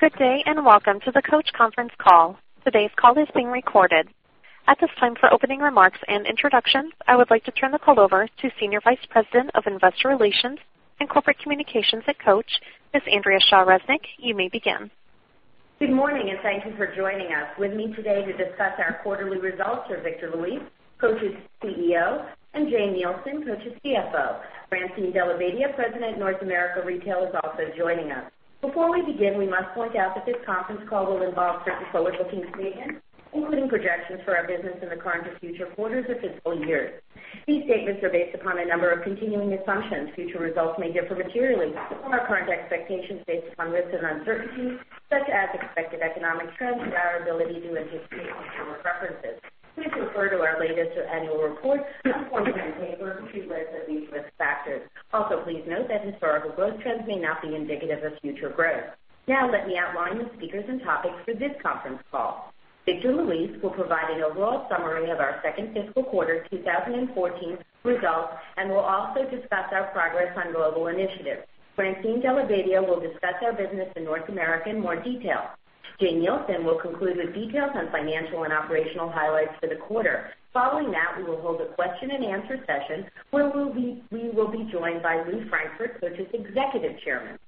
Good day, welcome to the Coach conference call. Today's call is being recorded. At this time, for opening remarks and introductions, I would like to turn the call over to Senior Vice President of Investor Relations and Corporate Communications at Coach, Ms. Andrea Shaw Resnick. You may begin. Good morning, thank you for joining us. With me today to discuss our quarterly results are Victor Luis, Coach's CEO, and Jane Nielsen, Coach's CFO. Francine Della Badia, President, North America Retail, is also joining us. Before we begin, we must point out that this conference call will involve certain forward-looking statements, including projections for our business in the current or future quarters or fiscal years. These statements are based upon a number of continuing assumptions. Future results may differ materially from our current expectations based upon risks and uncertainties such as expected economic trends and our ability to anticipate consumer preferences. Please refer to our latest annual report on Form 10-K for a complete list of these risk factors. Also, please note that historical growth trends may not be indicative of future growth. Let me outline the speakers and topics for this conference call. Victor Luis will provide an overall summary of our second fiscal quarter 2014 results and will also discuss our progress on global initiatives. Francine Della Badia will discuss our business in North America in more detail. Jane Nielsen will conclude with details on financial and operational highlights for the quarter. Following that, we will hold a question and answer session where we will be joined by Lew Frankfort, Coach's Executive Chairman.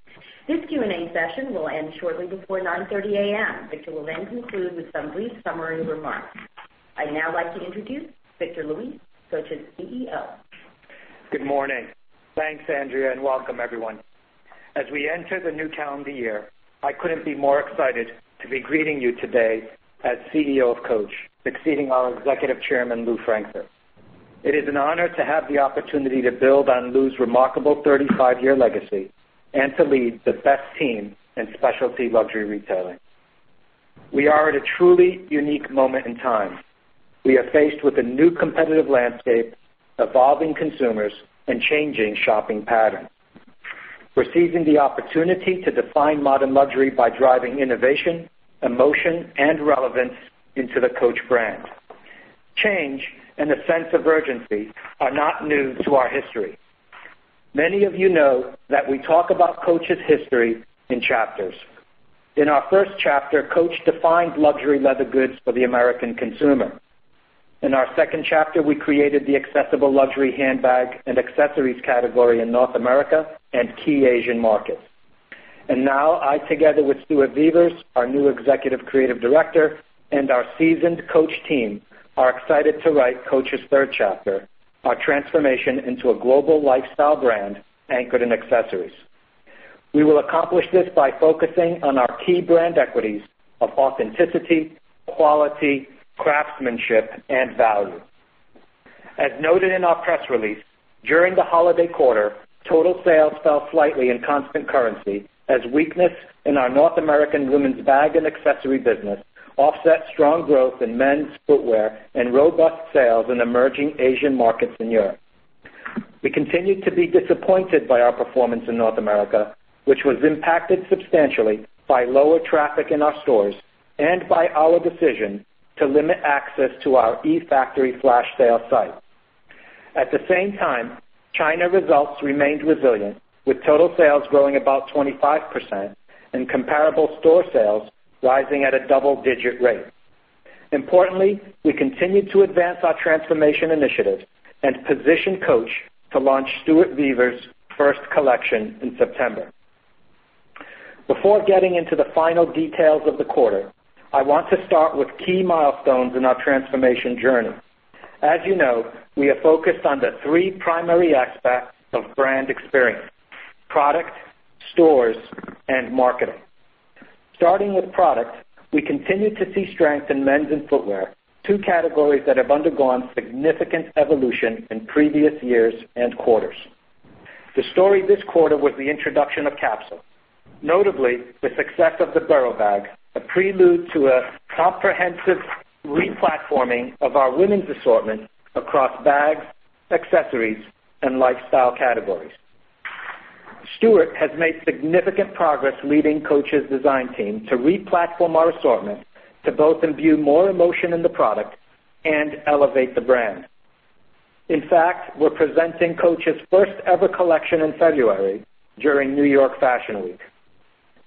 This Q&A session will end shortly before 9:30 A.M. Victor will conclude with some brief summary remarks. I'd now like to introduce Victor Luis, Coach's CEO. Good morning. Thanks, Andrea, welcome everyone. As we enter the new calendar year, I couldn't be more excited to be greeting you today as CEO of Coach, succeeding our Executive Chairman, Lew Frankfort. It is an honor to have the opportunity to build on Lew's remarkable 35-year legacy and to lead the best team in specialty luxury retailing. We are at a truly unique moment in time. We are faced with a new competitive landscape, evolving consumers, and changing shopping patterns. We're seizing the opportunity to define modern luxury by driving innovation, emotion, and relevance into the Coach brand. Change and a sense of urgency are not new to our history. Many of you know that we talk about Coach's history in chapters. In our first chapter, Coach defined luxury leather goods for the American consumer. In our second chapter, we created the accessible luxury handbag and accessories category in North America and key Asian markets. Now I, together with Stuart Vevers, our new Executive Creative Director, and our seasoned Coach team, are excited to write Coach's third chapter, our transformation into a global lifestyle brand anchored in accessories. We will accomplish this by focusing on our key brand equities of authenticity, quality, craftsmanship, and value. As noted in our press release, during the holiday quarter, total sales fell slightly in constant currency as weakness in our North American women's bag and accessory business offset strong growth in men's footwear and robust sales in emerging Asian markets and Europe. We continue to be disappointed by our performance in North America, which was impacted substantially by lower traffic in our stores and by our decision to limit access to our e-factory flash sale site. At the same time, China results remained resilient, with total sales growing about 25% and comparable store sales rising at a double-digit rate. Importantly, we continued to advance our transformation initiatives and position Coach to launch Stuart Vevers' first collection in September. Before getting into the final details of the quarter, I want to start with key milestones in our transformation journey. As you know, we are focused on the three primary aspects of brand experience: product, stores, and marketing. Starting with product, we continue to see strength in men's and footwear, two categories that have undergone significant evolution in previous years and quarters. The story this quarter was the introduction of Capsule, notably the success of the Borough bag, a prelude to a comprehensive re-platforming of our women's assortment across bags, accessories, and lifestyle categories. Stuart has made significant progress leading Coach's design team to re-platform our assortment to both imbue more emotion in the product and elevate the brand. In fact, we're presenting Coach's first-ever collection in February during New York Fashion Week.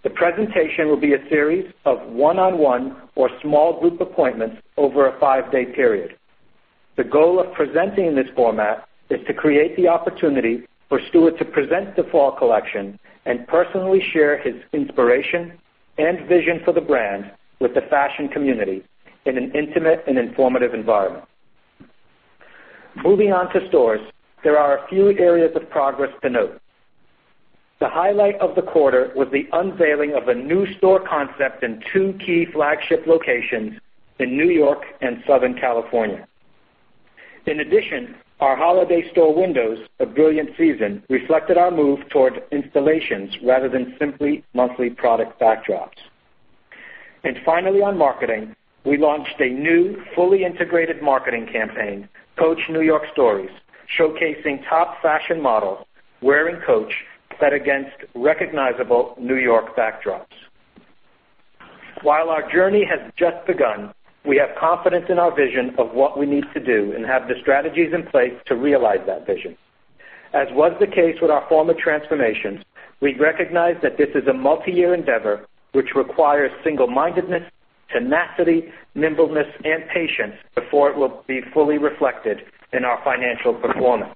The presentation will be a series of one-on-one or small group appointments over a five-day period. The goal of presenting in this format is to create the opportunity for Stuart to present the fall collection and personally share his inspiration and vision for the brand with the fashion community in an intimate and informative environment. Moving on to stores, there are a few areas of progress to note. The highlight of the quarter was the unveiling of a new store concept in two key flagship locations in New York and Southern California. In addition, our holiday store windows, A Brilliant Season, reflected our move towards installations rather than simply monthly product backdrops. Finally, on marketing, we launched a new, fully integrated marketing campaign, Coach New York Stories, showcasing top fashion models wearing Coach set against recognizable New York backdrops. While our journey has just begun, we have confidence in our vision of what we need to do and have the strategies in place to realize that vision. As was the case with our former transformations, we recognize that this is a multi-year endeavor, which requires single-mindedness, tenacity, nimbleness, and patience before it will be fully reflected in our financial performance.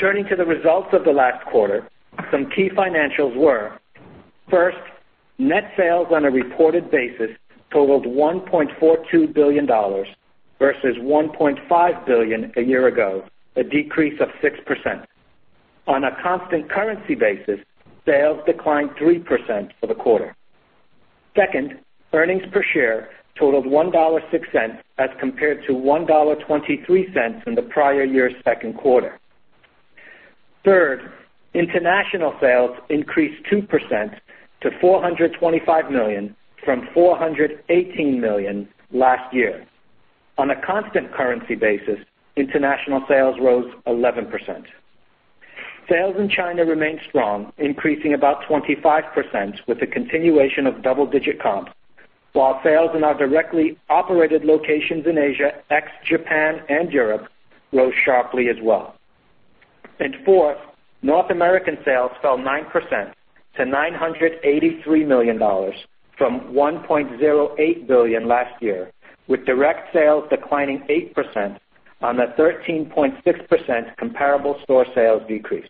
Turning to the results of the last quarter, some key financials were, first, net sales on a reported basis totaled $1.42 billion versus $1.5 billion a year ago, a decrease of 6%. On a constant currency basis, sales declined 3% for the quarter. Second, earnings per share totaled $1.06 as compared to $1.23 in the prior year's second quarter. Third, international sales increased 2% to $425 million from $418 million last year. On a constant currency basis, international sales rose 11%. Sales in China remained strong, increasing about 25% with the continuation of double-digit comps, while sales in our directly operated locations in Asia, ex-Japan and Europe, rose sharply as well. Fourth, North American sales fell 9% to $983 million from $1.08 billion last year, with direct sales declining 8% on a 13.6% comparable store sales decrease.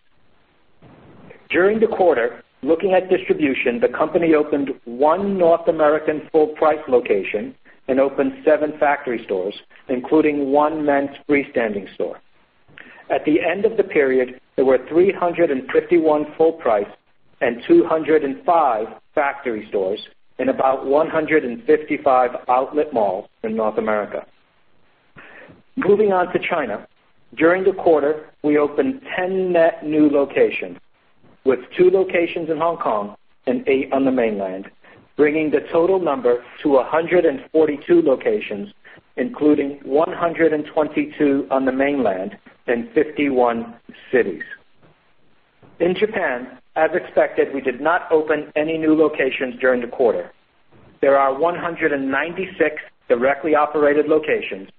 During the quarter, looking at distribution, the company opened one North American full price location and opened seven factory stores, including one men's freestanding store. At the end of the period, there were 351 full price and 205 factory stores in about 155 outlet malls in North America. Moving on to China. During the quarter, we opened 10 net new locations, with two locations in Hong Kong and eight on the mainland, bringing the total number to 142 locations, including 122 on the mainland in 51 cities. In Japan, as expected, we did not open any new locations during the quarter. There are 196 directly operated locations,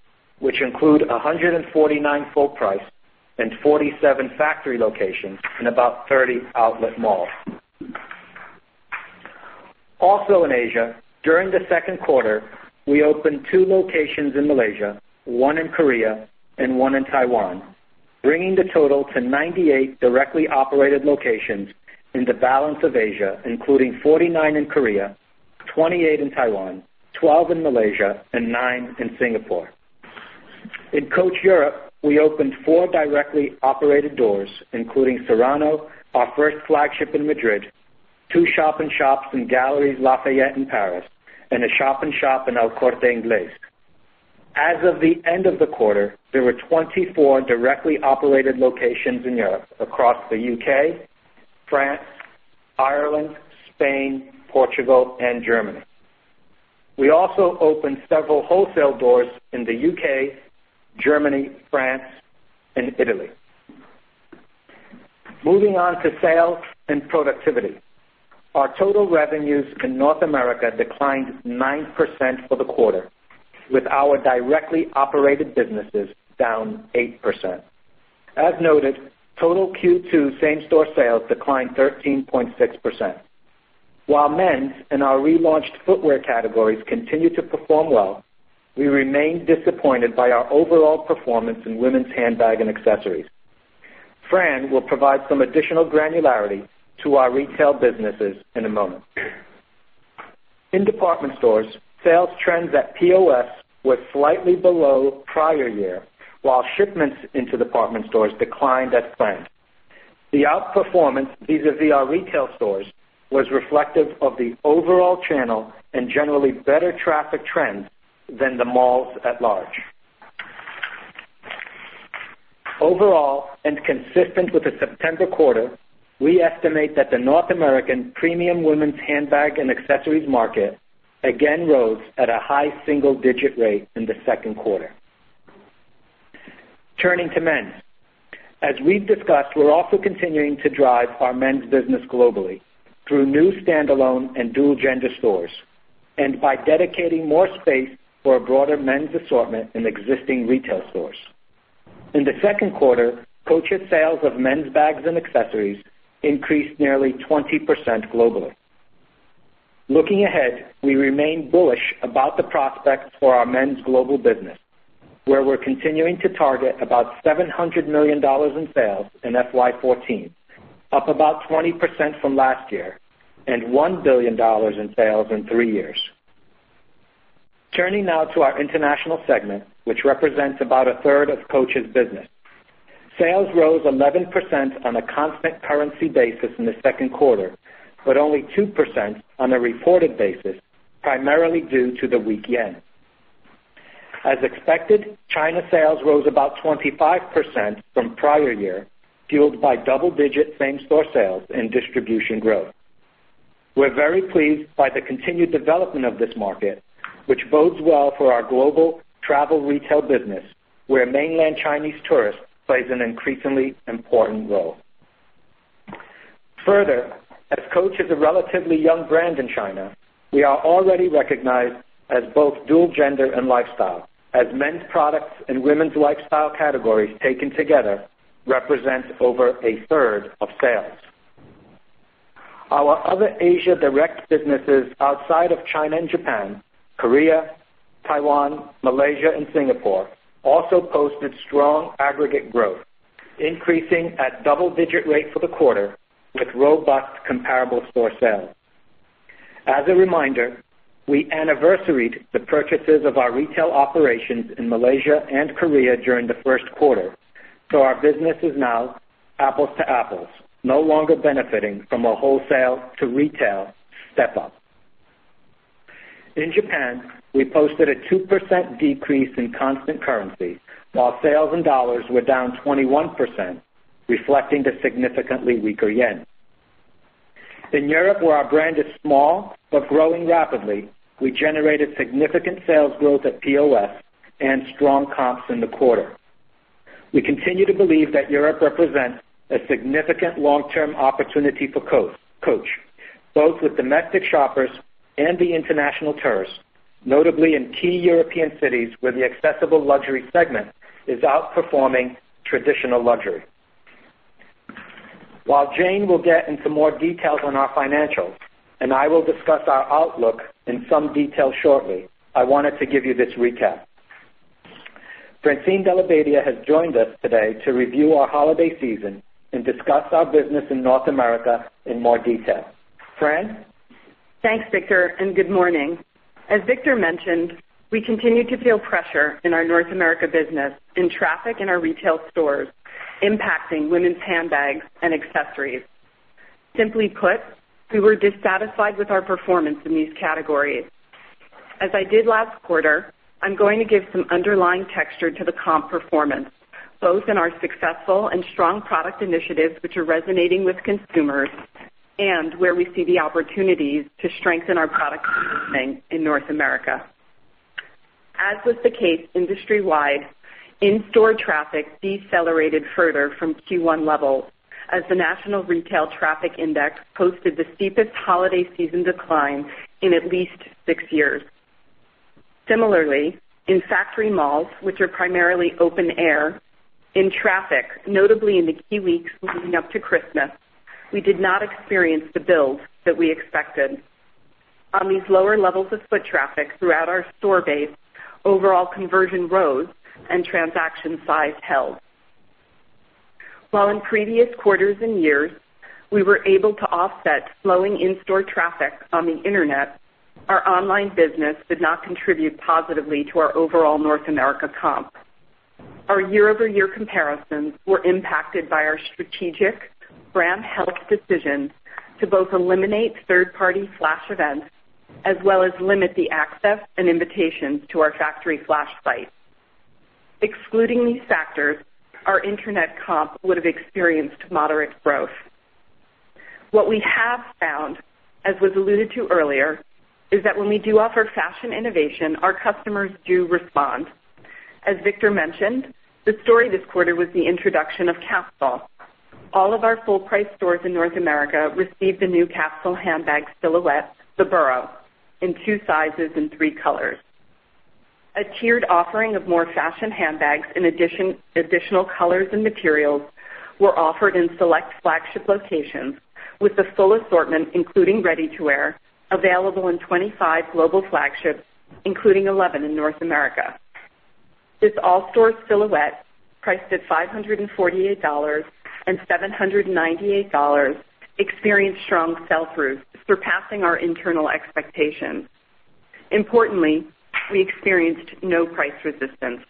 which include 149 full price and 47 factory locations in about 30 outlet malls. Also in Asia, during the second quarter, we opened two locations in Malaysia, one in Korea, and one in Taiwan, bringing the total to 98 directly operated locations in the balance of Asia, including 49 in Korea, 28 in Taiwan, 12 in Malaysia, and nine in Singapore. In Coach Europe, we opened four directly operated doors, including Serrano, our first flagship in Madrid, two shop-in-shops in Galeries Lafayette in Paris, and a shop-in-shop in El Corte Inglés. As of the end of the quarter, there were 24 directly operated locations in Europe across the U.K., France, Ireland, Spain, Portugal, and Germany. We also opened several wholesale doors in the U.K., Germany, France, and Italy. Moving on to sales and productivity. Our total revenues in North America declined 9% for the quarter, with our directly operated businesses down 8%. As noted, total Q2 same-store sales declined 13.6%. While men's and our relaunched footwear categories continue to perform well, we remain disappointed by our overall performance in women's handbag and accessories. Fran will provide some additional granularity to our retail businesses in a moment. In department stores, sales trends at POS were slightly below prior year, while shipments into department stores declined as planned. The outperformance vis-à-vis our retail stores was reflective of the overall channel and generally better traffic trends than the malls at large. Consistent with the September quarter, we estimate that the North American premium women's handbag and accessories market again rose at a high single-digit rate in the second quarter. Turning to men's. As we've discussed, we're also continuing to drive our men's business globally through new standalone and dual-gender stores and by dedicating more space for a broader men's assortment in existing retail stores. In the second quarter, Coach's sales of men's bags and accessories increased nearly 20% globally. Looking ahead, we remain bullish about the prospects for our men's global business, where we are continuing to target about $700 million in sales in FY 2014, up about 20% from last year, and $1 billion in sales in three years. Turning now to our international segment, which represents about a third of Coach's business. Sales rose 11% on a constant currency basis in the second quarter, but only 2% on a reported basis, primarily due to the weak yen. As expected, China sales rose about 25% from prior year, fueled by double-digit same-store sales and distribution growth. We are very pleased by the continued development of this market, which bodes well for our global travel retail business, where mainland Chinese tourists plays an increasingly important role. As Coach is a relatively young brand in China, we are already recognized as both dual gender and lifestyle, as men's products and women's lifestyle categories taken together represent over a third of sales. Our other Asia direct businesses outside of China and Japan, Korea, Taiwan, Malaysia, and Singapore also posted strong aggregate growth, increasing at double-digit rate for the quarter with robust comparable store sales. As a reminder, we anniversaried the purchases of our retail operations in Malaysia and Korea during the first quarter. Our business is now apples to apples, no longer benefiting from a wholesale to retail step-up. In Japan, we posted a 2% decrease in constant currency while sales in USD were down 21%, reflecting the significantly weaker yen. In Europe, where our brand is small but growing rapidly, we generated significant sales growth at POS and strong comps in the quarter. We continue to believe that Europe represents a significant long-term opportunity for Coach, both with domestic shoppers and the international tourist, notably in key European cities where the accessible luxury segment is outperforming traditional luxury. While Jane will get into more details on our financials, I will discuss our outlook in some detail shortly. I wanted to give you this recap. Francine Della Badia has joined us today to review our holiday season and discuss our business in North America in more detail. Fran? Thanks, Victor, good morning. As Victor mentioned, we continue to feel pressure in our North America business in traffic in our retail stores, impacting women's handbags and accessories. Simply put, we were dissatisfied with our performance in these categories. As I did last quarter, I am going to give some underlying texture to the comp performance, both in our successful and strong product initiatives, which are resonating with consumers, and where we see the opportunities to strengthen our product positioning in North America. As was the case industry-wide, in-store traffic decelerated further from Q1 levels as the National Retail Traffic Index posted the steepest holiday season decline in at least six years. Similarly, in factory malls, which are primarily open air, in traffic, notably in the key weeks leading up to Christmas, we did not experience the build that we expected. On these lower levels of foot traffic throughout our store base, overall conversion rose and transaction size held. While in previous quarters and years, we were able to offset slowing in-store traffic on the Internet, our online business did not contribute positively to our overall North America comp. Our year-over-year comparisons were impacted by our strategic brand health decisions to both eliminate third-party flash events as well as limit the access and invitations to our factory flash site. Excluding these factors, our Internet comp would have experienced moderate growth. What we have found, as was alluded to earlier, is that when we do offer fashion innovation, our customers do respond. As Victor mentioned, the story this quarter was the introduction of Capsule. All of our full-price stores in North America received the new Capsule handbag silhouette, the Borough, in two sizes and three colors. A tiered offering of more fashion handbags in additional colors and materials were offered in select flagship locations with the full assortment, including ready-to-wear, available in 25 global flagships, including 11 in North America. This all-store silhouette, priced at $548 and $798, experienced strong sell-through, surpassing our internal expectations. Importantly, we experienced no price resistance.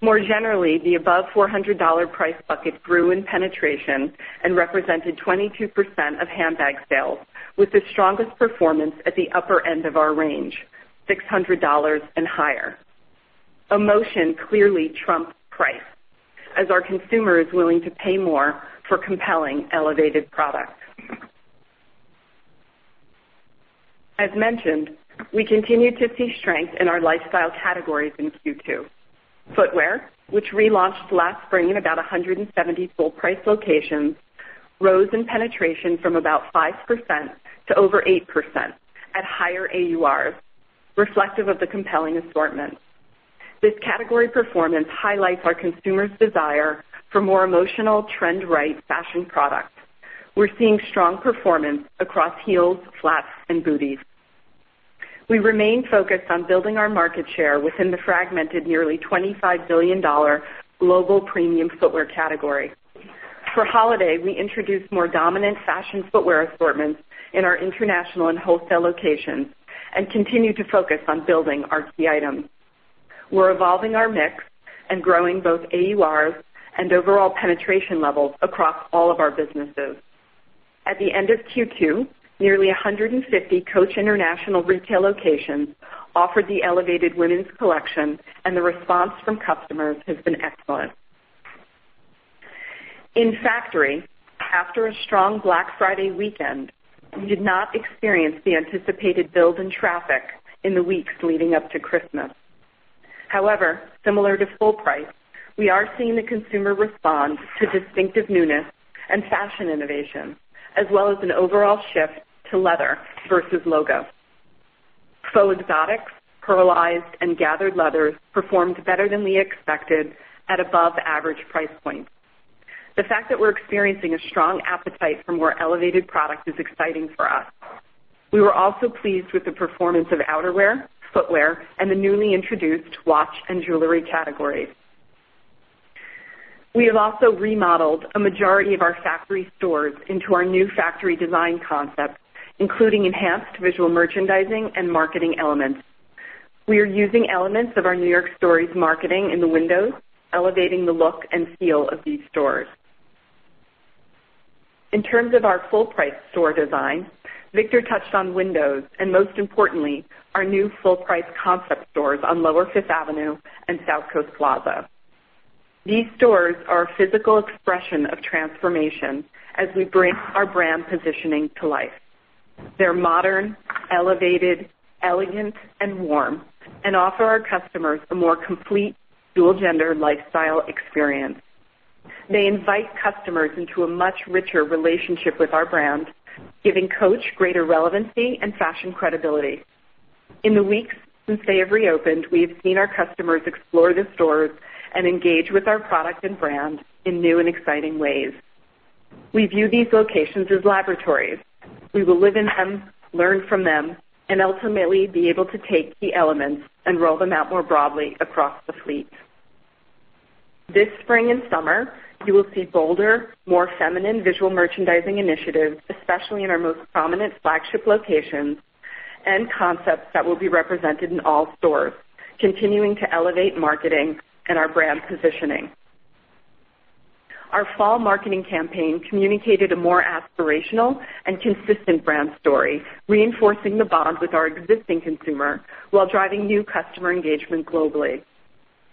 More generally, the above $400 price bucket grew in penetration and represented 22% of handbag sales, with the strongest performance at the upper end of our range, $600 and higher. Emotion clearly trumps price, as our consumer is willing to pay more for compelling elevated products. As mentioned, we continued to see strength in our lifestyle categories in Q2. Footwear, which relaunched last spring in about 170 full-price locations, rose in penetration from about 5% to over 8% at higher AURs, reflective of the compelling assortment. This category performance highlights our customers' desire for more emotional, trend-right fashion products. We're seeing strong performance across heels, flats, and booties. We remain focused on building our market share within the fragmented nearly $25 billion global premium footwear category. For holiday, we introduced more dominant fashion footwear assortments in our international and wholesale locations and continue to focus on building our key items. We're evolving our mix and growing both AURs and overall penetration levels across all of our businesses. At the end of Q2, nearly 150 Coach international retail locations offered the elevated women's collection, and the response from customers has been excellent. In factory, after a strong Black Friday weekend, we did not experience the anticipated build in traffic in the weeks leading up to Christmas. However, similar to full price, we are seeing the consumer respond to distinctive newness and fashion innovation, as well as an overall shift to leather versus logo. Faux exotics, pearlized, and gathered leather performed better than we expected at above-average price points. The fact that we're experiencing a strong appetite for more elevated product is exciting for us. We were also pleased with the performance of outerwear, footwear, and the newly introduced watch and jewelry categories. We have also remodeled a majority of our factory stores into our new factory design concept, including enhanced visual merchandising and marketing elements. We are using elements of our New York Stories marketing in the windows, elevating the look and feel of these stores. In terms of our full-price store design, Victor touched on windows and, most importantly, our new full-price concept stores on Lower Fifth Avenue and South Coast Plaza. These stores are a physical expression of transformation as we bring our brand positioning to life. They're modern, elevated, elegant, and warm and offer our customers a more complete dual-gender lifestyle experience. They invite customers into a much richer relationship with our brand, giving Coach greater relevancy and fashion credibility. In the weeks since they have reopened, we have seen our customers explore the stores and engage with our product and brand in new and exciting ways. We view these locations as laboratories. We will live in them, learn from them, and ultimately be able to take the elements and roll them out more broadly across the fleet. This spring and summer, you will see bolder, more feminine visual merchandising initiatives, especially in our most prominent flagship locations, and concepts that will be represented in all stores, continuing to elevate marketing and our brand positioning. Our fall marketing campaign communicated a more aspirational and consistent brand story, reinforcing the bond with our existing consumer while driving new customer engagement globally.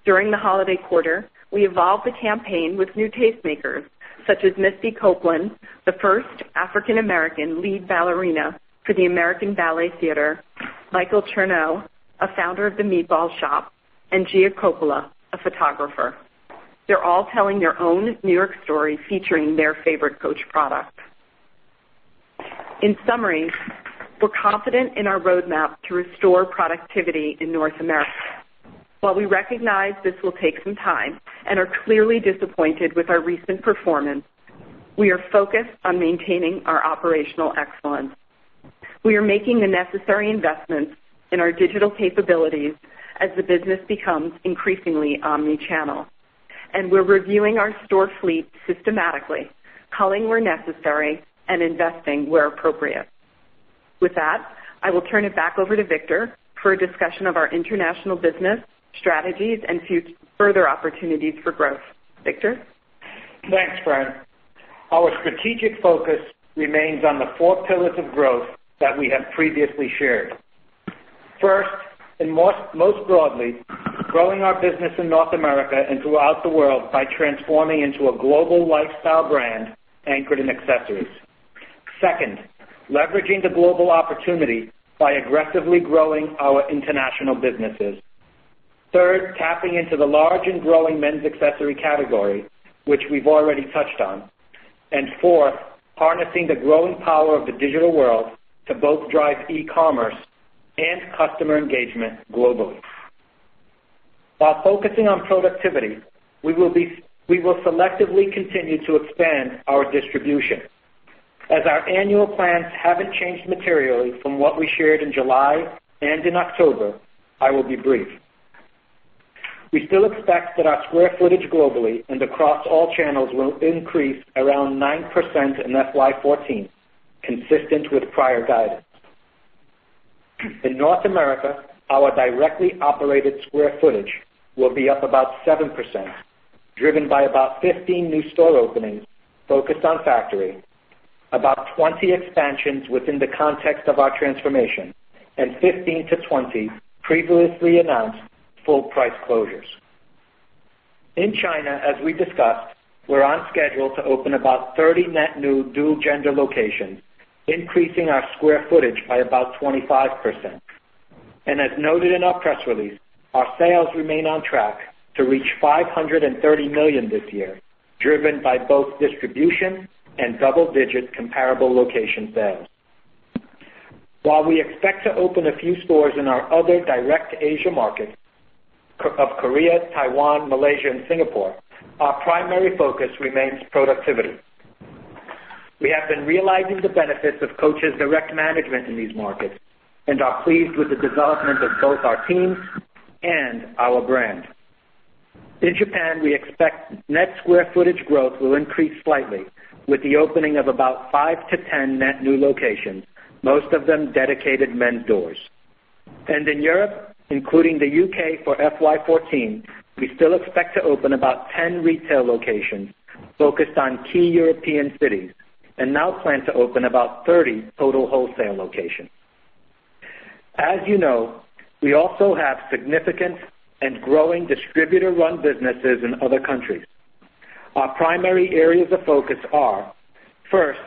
During the holiday quarter, we evolved the campaign with new tastemakers such as Misty Copeland, the first African American lead ballerina for the American Ballet Theatre, Michael Chernow, a founder of The Meatball Shop, and Gia Coppola, a photographer. They're all telling their own New York Story featuring their favorite Coach product. In summary, we're confident in our roadmap to restore productivity in North America. While we recognize this will take some time and are clearly disappointed with our recent performance, we are focused on maintaining our operational excellence. We are making the necessary investments in our digital capabilities as the business becomes increasingly omnichannel, and we're reviewing our store fleet systematically, culling where necessary and investing where appropriate. With that, I will turn it back over to Victor for a discussion of our international business strategies and future further opportunities for growth. Victor? Thanks, Fran. Our strategic focus remains on the four pillars of growth that we have previously shared. First, and most broadly, growing our business in North America and throughout the world by transforming into a global lifestyle brand anchored in accessories. Second, leveraging the global opportunity by aggressively growing our international businesses. Third, tapping into the large and growing men's accessory category, which we've already touched on. fourth, harnessing the growing power of the digital world to both drive e-commerce and customer engagement globally. While focusing on productivity, we will selectively continue to expand our distribution. As our annual plans haven't changed materially from what we shared in July and in October, I will be brief. We still expect that our square footage globally and across all channels will increase around 9% in FY 2014, consistent with prior guidance. In North America, our directly operated square footage will be up about 7%, driven by about 15 new store openings focused on factory, about 20 expansions within the context of our transformation, and 15 to 20 previously announced full-price closures. In China, as we discussed, we are on schedule to open about 30 net new dual-gender locations, increasing our square footage by about 25%. As noted in our press release, our sales remain on track to reach $530 million this year, driven by both distribution and double-digit comparable location sales. While we expect to open a few stores in our other direct Asia markets of Korea, Taiwan, Malaysia, and Singapore, our primary focus remains productivity. We have been realizing the benefits of Coach's direct management in these markets and are pleased with the development of both our teams and our brand. In Japan, we expect net square footage growth will increase slightly with the opening of about 5-10 net new locations, most of them dedicated men's stores. In Europe, including the U.K. for FY 2014, we still expect to open about 10 retail locations focused on key European cities and now plan to open about 30 total wholesale locations. As you know, we also have significant and growing distributor-run businesses in other countries. Our primary areas of focus are, first,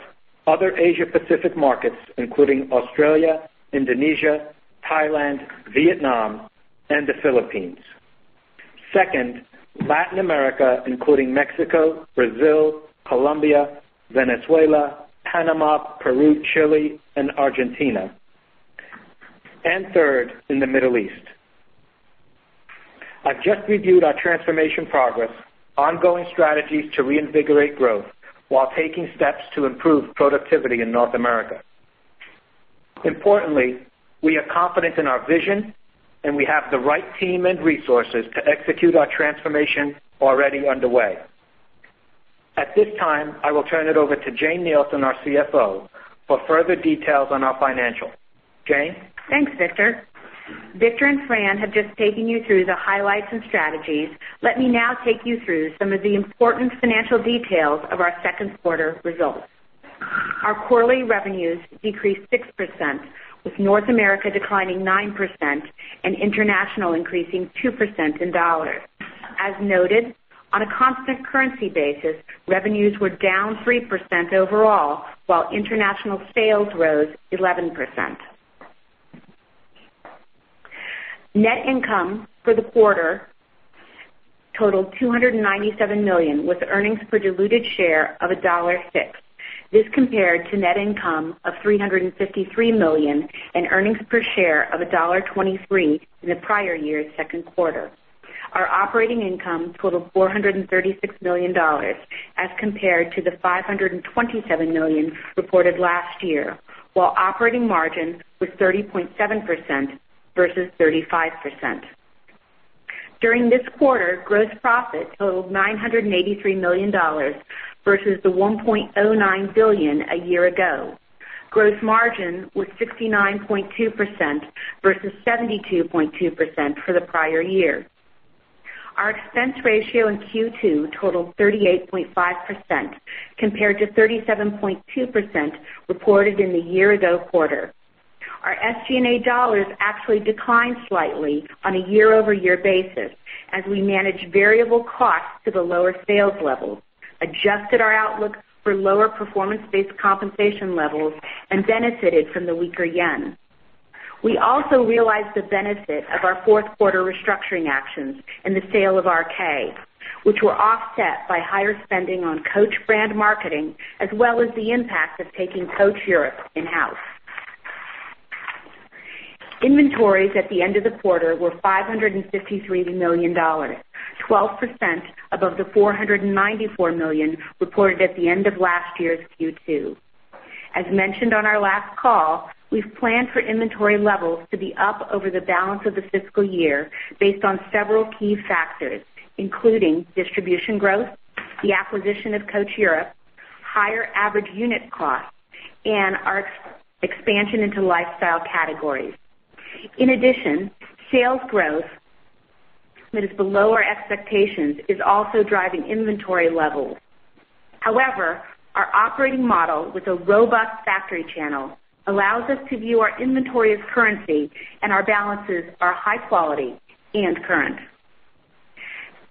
other Asia Pacific markets, including Australia, Indonesia, Thailand, Vietnam, and the Philippines. Second, Latin America, including Mexico, Brazil, Colombia, Venezuela, Panama, Peru, Chile, and Argentina. Third, in the Middle East. I have just reviewed our transformation progress, ongoing strategies to reinvigorate growth while taking steps to improve productivity in North America. Importantly, we are confident in our vision, and we have the right team and resources to execute our transformation already underway. At this time, I will turn it over to Jane Nielsen, our CFO, for further details on our financials. Jane? Thanks, Victor. Victor and Fran have just taken you through the highlights and strategies. Let me now take you through some of the important financial details of our second quarter results. Our quarterly revenues decreased 6%, with North America declining 9% and international increasing 2% in dollars. As noted, on a constant currency basis, revenues were down 3% overall, while international sales rose 11%. Net income for the quarter totaled $297 million, with earnings per diluted share of $1.06. This compared to net income of $353 million and earnings per share of $1.23 in the prior year's second quarter. Our operating income totaled $436 million as compared to the $527 million reported last year, while operating margin was 30.7% versus 35%. During this quarter, gross profit totaled $983 million versus the $1.09 billion a year ago. Gross margin was 69.2% versus 72.2% for the prior year. Our expense ratio in Q2 totaled 38.5% compared to 37.2% reported in the year-ago quarter. Our SG&A dollars actually declined slightly on a year-over-year basis as we managed variable costs to the lower sales levels, adjusted our outlook for lower performance-based compensation levels, and benefited from the weaker JPY. We also realized the benefit of our fourth quarter restructuring actions and the sale of RK, which were offset by higher spending on Coach brand marketing, as well as the impact of taking Coach Europe in-house. Inventories at the end of the quarter were $553 million, 12% above the $494 million reported at the end of last year's Q2. As mentioned on our last call, we've planned for inventory levels to be up over the balance of the fiscal year based on several key factors, including distribution growth, the acquisition of Coach Europe, higher average unit costs, and our expansion into lifestyle categories. In addition, sales growth that is below our expectations is also driving inventory levels. However, our operating model with a robust factory channel allows us to view our inventory as currency, and our balances are high quality and current.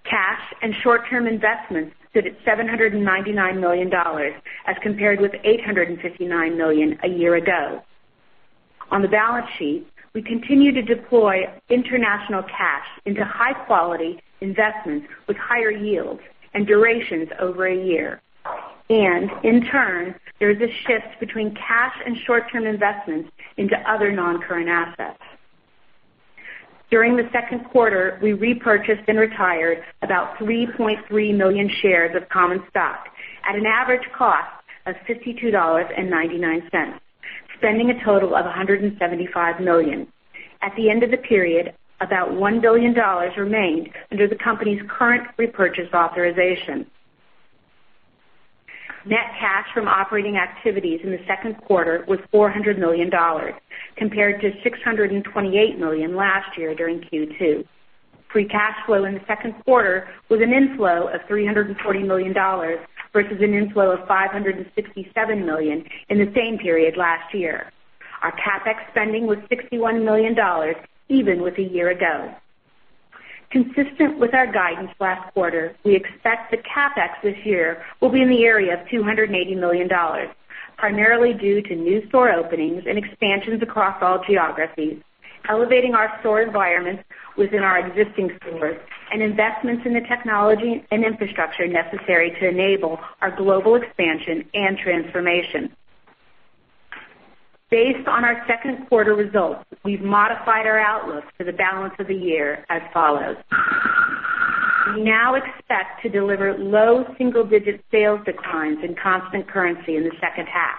Cash and short-term investments stood at $799 million as compared with $859 million a year ago. In turn, there is a shift between cash and short-term investments into other non-current assets. During the second quarter, we repurchased and retired about 3.3 million shares of common stock at an average cost of $52.99, spending a total of $175 million. At the end of the period, about $1 billion remained under the company's current repurchase authorization. Net cash from operating activities in the second quarter was $400 million, compared to $628 million last year during Q2. Free cash flow in the second quarter was an inflow of $340 million versus an inflow of $567 million in the same period last year. Our CapEx spending was $61 million, even with a year ago. Consistent with our guidance last quarter, we expect the CapEx this year will be in the area of $280 million, primarily due to new store openings and expansions across all geographies, elevating our store environments within our existing stores, and investments in the technology and infrastructure necessary to enable our global expansion and transformation. Based on our second quarter results, we've modified our outlook for the balance of the year as follows. We now expect to deliver low single-digit sales declines in constant currency in the second half.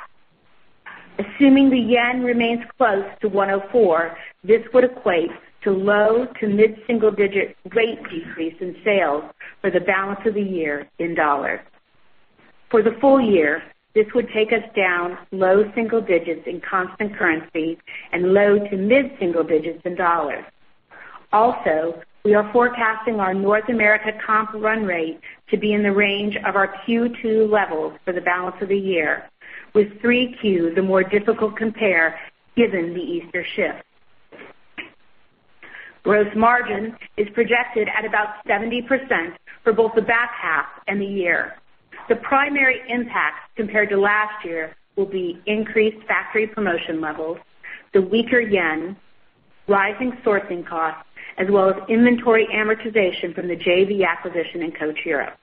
Assuming the JPY remains close to 104, this would equate to low to mid single-digit rate decrease in sales for the balance of the year in dollars. For the full year, this would take us down low single digits in constant currency and low to mid single digits in dollars. We are forecasting our North America comp run rate to be in the range of our Q2 levels for the balance of the year, with 3Q the more difficult compare given the Easter shift. Gross margin is projected at about 70% for both the back half and the year. The primary impact compared to last year will be increased factory promotion levels, the weaker yen, rising sourcing costs, as well as inventory amortization from the JV acquisition in Coach Europe.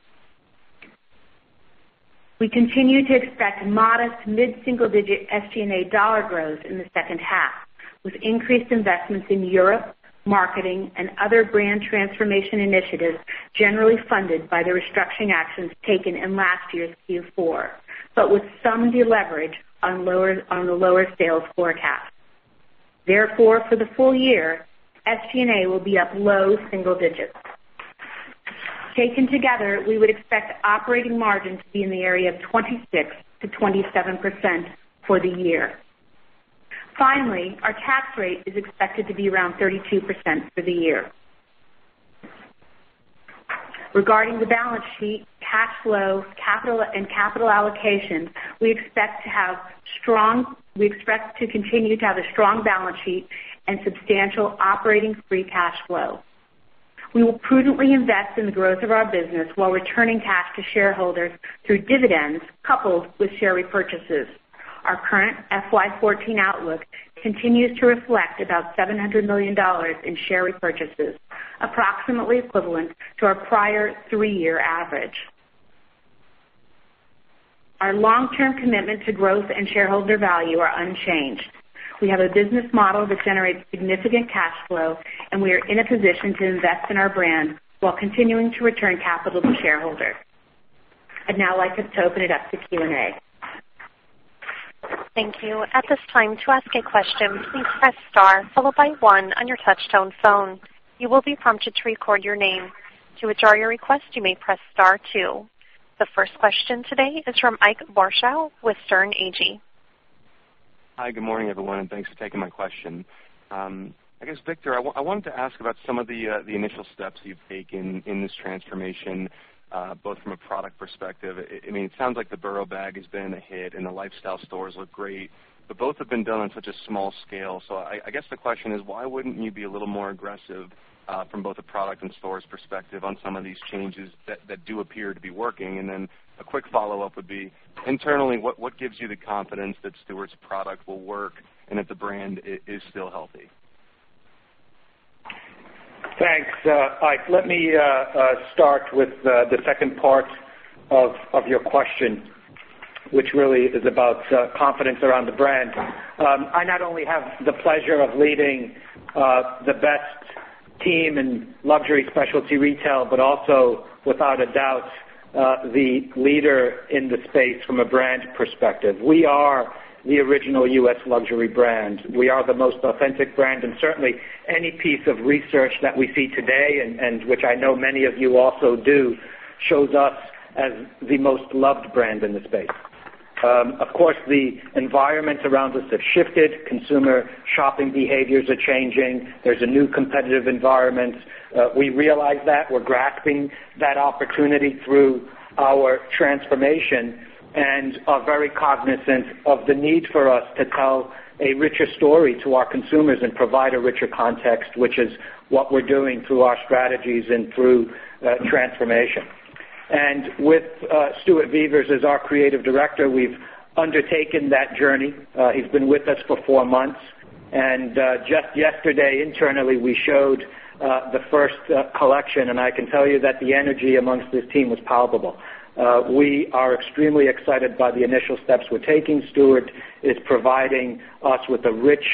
We continue to expect modest mid-single-digit SG&A dollar growth in the second half, with increased investments in Europe, marketing, and other brand transformation initiatives generally funded by the restructuring actions taken in last year's Q4, but with some deleverage on the lower sales forecast. Therefore, for the full year, SG&A will be up low single digits. Taken together, we would expect operating margin to be in the area of 26%-27% for the year. Finally, our tax rate is expected to be around 32% for the year. Regarding the balance sheet, cash flow, and capital allocations, we expect to continue to have a strong balance sheet and substantial operating free cash flow. We will prudently invest in the growth of our business while returning cash to shareholders through dividends coupled with share repurchases. Our current FY 2014 outlook continues to reflect about $700 million in share repurchases, approximately equivalent to our prior three-year average. Our long-term commitment to growth and shareholder value are unchanged. We have a business model that generates significant cash flow, and we are in a position to invest in our brand while continuing to return capital to shareholders. I'd now like us to open it up to Q&A. Thank you. At this time, to ask a question, please press star followed by one on your touch-tone phone. You will be prompted to record your name. To withdraw your request, you may press star two. The first question today is from Ike Boruchow with Sterne Agee. Hi, good morning, everyone, thanks for taking my question. I guess, Victor, I wanted to ask about some of the initial steps you've taken in this transformation, both from a product perspective. It sounds like the Borough bag has been a hit and the lifestyle stores look great, but both have been done on such a small scale. I guess the question is, why wouldn't you be a little more aggressive from both a product and stores perspective on some of these changes that do appear to be working? A quick follow-up would be, internally, what gives you the confidence that Stuart's product will work and that the brand is still healthy? Thanks, Ike. Let me start with the second part of your question, which really is about confidence around the brand. I not only have the pleasure of leading the best team in luxury specialty retail, but also, without a doubt, the leader in the space from a brand perspective. We are the original U.S. luxury brand. We are the most authentic brand, and certainly any piece of research that we see today, and which I know many of you also do, shows us as the most loved brand in the space. Of course, the environments around us have shifted. Consumer shopping behaviors are changing. There's a new competitive environment. We realize that. We're grasping that opportunity through our transformation and are very cognizant of the need for us to tell a richer story to our consumers and provide a richer context, which is what we're doing through our strategies and through transformation. With Stuart Vevers as our creative director, we've undertaken that journey. He's been with us for four months, and just yesterday, internally, we showed the first collection, and I can tell you that the energy amongst this team was palpable. We are extremely excited by the initial steps we're taking. Stuart is providing us with a rich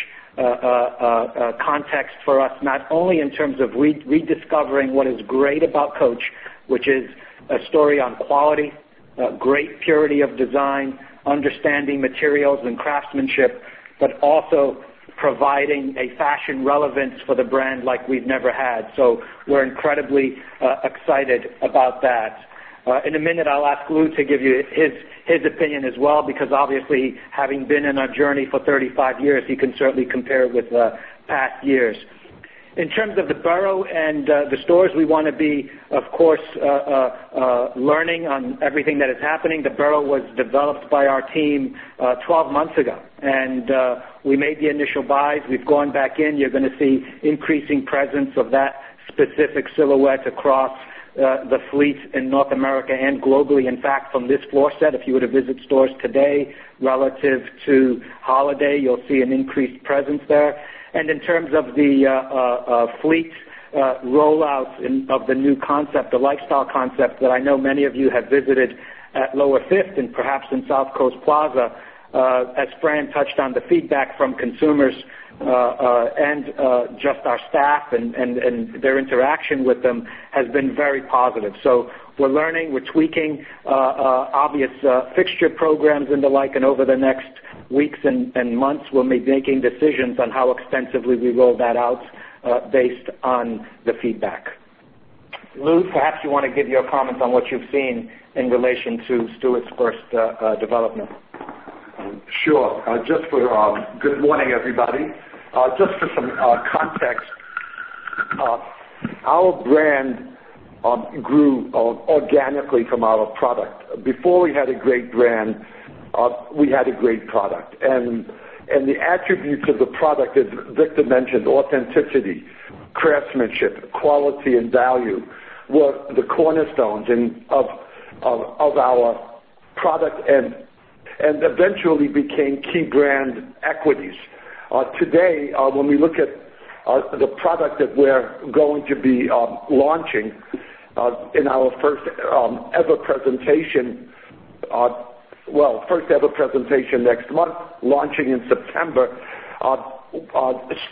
context for us, not only in terms of rediscovering what is great about Coach, which is a story on quality, great purity of design, understanding materials and craftsmanship, but also providing a fashion relevance for the brand like we've never had. We're incredibly excited about that. In a minute, I'll ask Lew to give you his opinion as well, because obviously, having been in our journey for 35 years, he can certainly compare with past years. In terms of the Borough and the stores, we want to be, of course, learning on everything that is happening. The Borough was developed by our team 12 months ago, and we made the initial buys. We've gone back in. You're going to see increasing presence of that specific silhouette across the fleet in North America and globally. In fact, from this floor set, if you were to visit stores today relative to holiday, you'll see an increased presence there. In terms of the fleet rollouts of the new concept, the lifestyle concept that I know many of you have visited at Lower Fifth and perhaps in South Coast Plaza, as Fran touched on, the feedback from consumers and just our staff and their interaction with them has been very positive. We're learning, we're tweaking obvious fixture programs and the like, and over the next weeks and months, we'll be making decisions on how extensively we roll that out based on the feedback. Lou, perhaps you want to give your comments on what you've seen in relation to Stuart's first development. Sure. Good morning, everybody. Just for some context, our brand grew organically from our product. Before we had a great brand, we had a great product. The attributes of the product, as Victor mentioned, authenticity, craftsmanship, quality, and value were the cornerstones of our product, and eventually became key brand equities. Today, when we look at the product that we're going to be launching in our first-ever presentation next month, launching in September,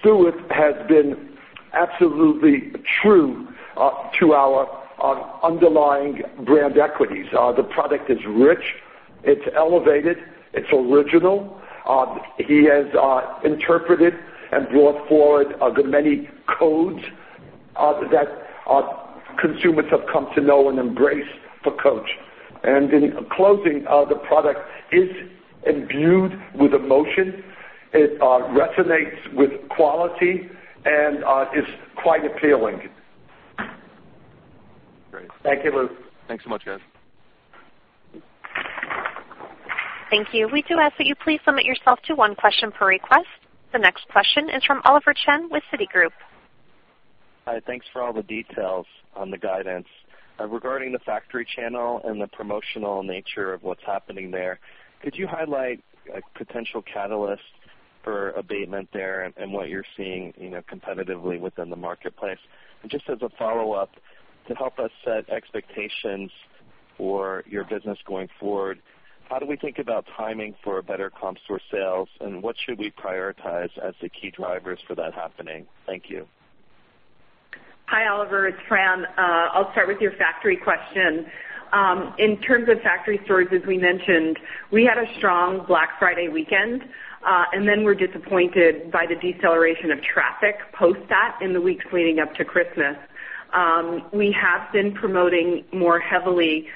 Stuart has been absolutely true to our underlying brand equities. The product is rich, it's elevated, it's original. He has interpreted and brought forward the many codes that our consumers have come to know and embrace for Coach. In closing, the product is imbued with emotion. It resonates with quality and is quite appealing. Great. Thank you, Ike. Thanks so much, guys. Thank you. We do ask that you please limit yourself to one question per request. The next question is from Oliver Chen with Citigroup. Hi. Thanks for all the details on the guidance. Regarding the factory channel and the promotional nature of what's happening there, could you highlight a potential catalyst for abatement there and what you're seeing competitively within the marketplace? Just as a follow-up, to help us set expectations for your business going forward, how do we think about timing for better comp store sales, and what should we prioritize as the key drivers for that happening? Thank you. Hi, Oliver, it's Fran. I'll start with your factory question. In terms of factory stores, as we mentioned, we had a strong Black Friday weekend, and then were disappointed by the deceleration of traffic post that in the weeks leading up to Christmas. We have been promoting more heavily,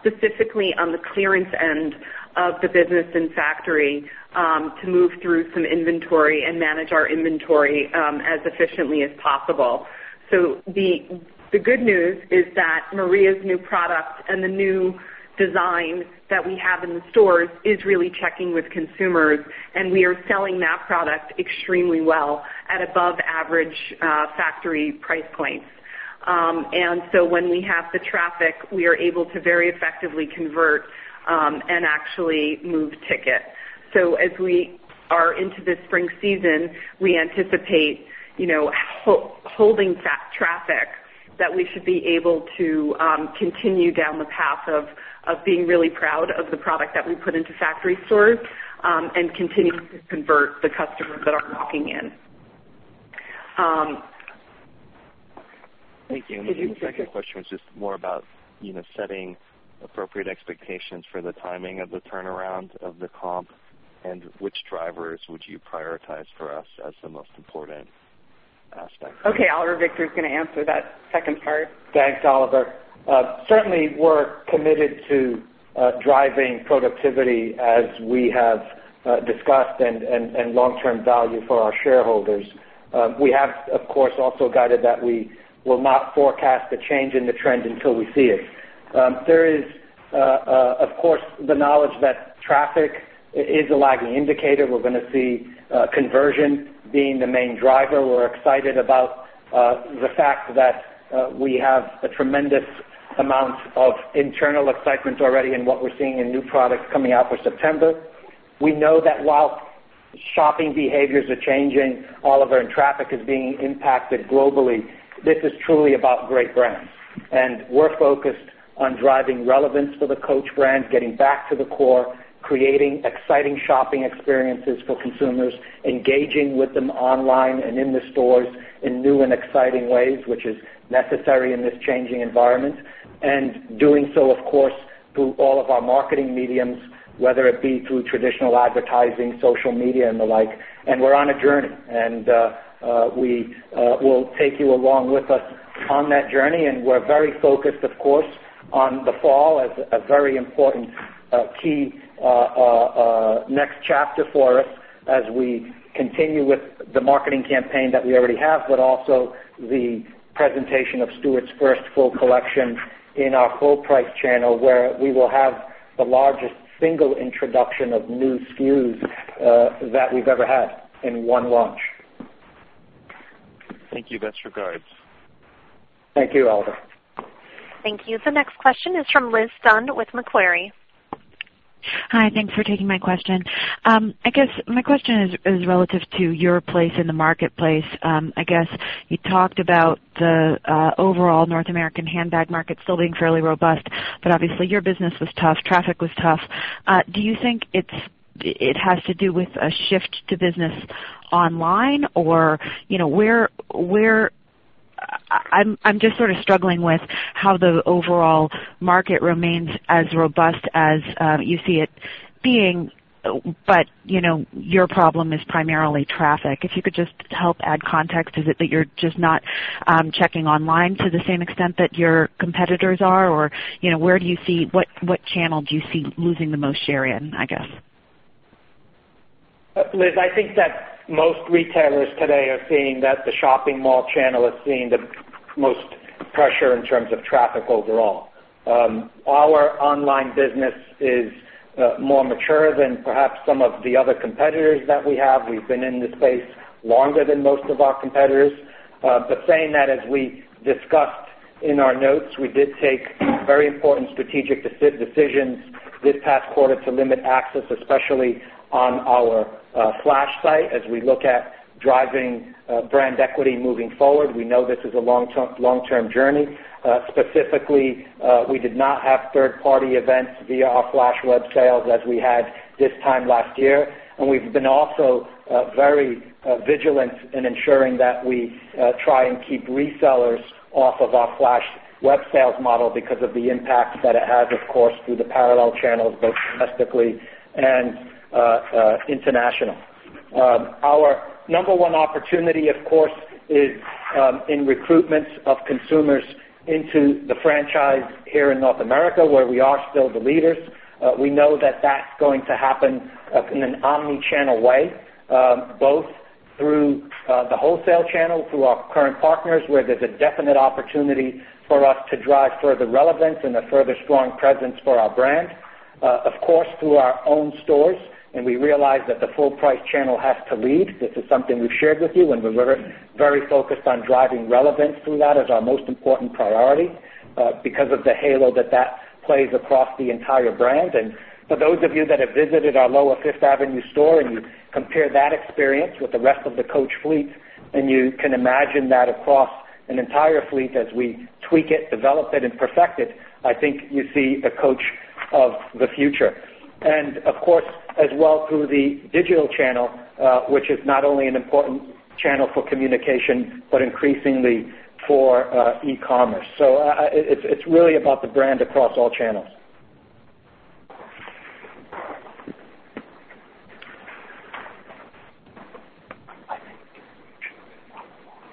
specifically on the clearance end of the business in factory, to move through some inventory and manage our inventory as efficiently as possible. The good news is that Maria's new product and the new design that we have in the stores is really checking with consumers, and we are selling that product extremely well at above average factory price points. When we have the traffic, we are able to very effectively convert and actually move ticket. As we are into the spring season, we anticipate holding that traffic, that we should be able to continue down the path of being really proud of the product that we put into factory stores, and continuing to convert the customers that are walking in. Thank you. The second question was just more about setting appropriate expectations for the timing of the turnaround of the comp, and which drivers would you prioritize for us as the most important aspect? Okay, Oliver, Victor's going to answer that second part. Thanks, Oliver. Certainly, we're committed to driving productivity as we have discussed and long-term value for our shareholders. We have, of course, also guided that we will not forecast a change in the trend until we see it. There is, of course, the knowledge that traffic is a lagging indicator. We're going to see conversion being the main driver. We're excited about the fact that we have a tremendous amount of internal excitement already in what we're seeing in new products coming out for September. We know that while shopping behaviors are changing, Oliver, and traffic is being impacted globally, this is truly about great brands. We're focused on driving relevance for the Coach brand, getting back to the core, creating exciting shopping experiences for consumers, engaging with them online and in the stores in new and exciting ways, which is necessary in this changing environment. Doing so, of course, through all of our marketing mediums, whether it be through traditional advertising, social media, and the like. We're on a journey, and we will take you along with us on that journey. We're very focused, of course, on the fall as a very important key next chapter for us as we continue with the marketing campaign that we already have, but also the presentation of Stuart's first full collection in our full price channel, where we will have the largest single introduction of new SKUs that we've ever had in one launch. Thank you. Best regards. Thank you, Oliver. Thank you. The next question is from Liz Dunn with Macquarie. Hi. Thanks for taking my question. I guess my question is relative to your place in the marketplace. I guess you talked about the overall North American handbag market still being fairly robust, but obviously, your business was tough, traffic was tough. Do you think it has to do with a shift to business online? I'm just sort of struggling with how the overall market remains as robust as you see it being, but your problem is primarily traffic. If you could just help add context. Is it that you're just not checking online to the same extent that your competitors are? What channel do you see losing the most share in, I guess? Liz, I think that most retailers today are seeing that the shopping mall channel is seeing the most pressure in terms of traffic overall. Our online business is more mature than perhaps some of the other competitors that we have. We've been in this space longer than most of our competitors. Saying that, as we discussed in our notes, we did take very important strategic decisions this past quarter to limit access, especially on our flash site, as we look at driving brand equity moving forward. We know this is a long-term journey. Specifically, we did not have third-party events via our flash web sales as we had this time last year. We have been also very vigilant in ensuring that we try and keep resellers off of our flash web sales model because of the impact that it has, of course, through the parallel channels, both domestically and international. Our number one opportunity, of course, is in recruitment of consumers into the franchise here in North America, where we are still the leaders. We know that that's going to happen in an omnichannel way, both through the wholesale channel, through our current partners, where there's a definite opportunity for us to drive further relevance and a further strong presence for our brand. Of course, through our own stores, and we realize that the full price channel has to lead. This is something we've shared with you, and we're very focused on driving relevance through that as our most important priority because of the halo that plays across the entire brand. For those of you that have visited our Lower Fifth Avenue store and you compare that experience with the rest of the Coach fleet, and you can imagine that across an entire fleet as we tweak it, develop it, and perfect it, I think you see a Coach of the future. Of course, as well through the digital channel, which is not only an important channel for communication, but increasingly for e-commerce. It's really about the brand across all channels.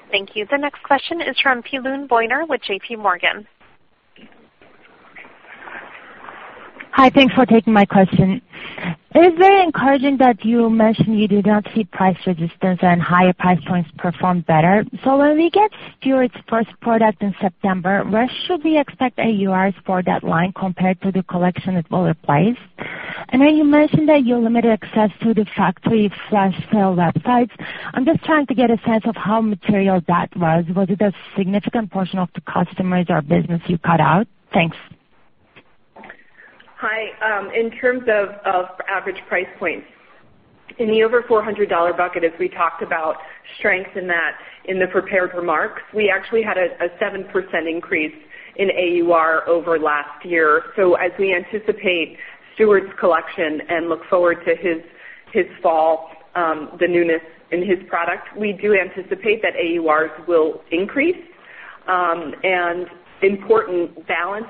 Thank you. The next question is from Erinn King with JP Morgan. Hi, thanks for taking my question. It is very encouraging that you mentioned you did not see price resistance and higher price points performed better. When we get Stuart's first product in September, where should we expect AURs for that line compared to the collection it will replace? You mentioned that you limited access to the factory flash sale websites. I'm just trying to get a sense of how material that was. Was it a significant portion of the customers or business you cut out? Thanks. Hi. In terms of average price points. In the over $400 bucket, as we talked about strength in the prepared remarks, we actually had a 7% increase in AUR over last year. As we anticipate Stuart's collection and look forward to his fall, the newness in his product, we do anticipate that AURs will increase. Balance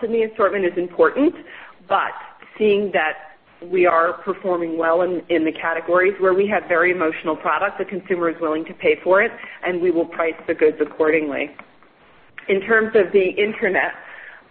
in the assortment is important, but seeing that we are performing well in the categories where we have very emotional product, the consumer is willing to pay for it, and we will price the goods accordingly. In terms of the Internet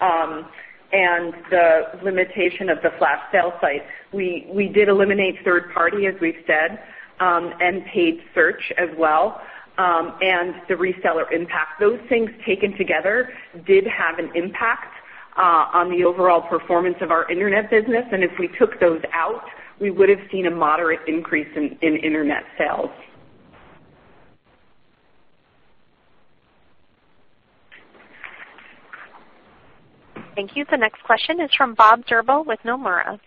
and the limitation of the flash sale site, we did eliminate third party, as we've said, and paid search as well, and the reseller impact. Those things taken together did have an impact on the overall performance of our Internet business, if we took those out, we would've seen a moderate increase in Internet sales. Thank you. The next question is from Bob Drbul with Nomura.